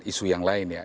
isu yang lain ya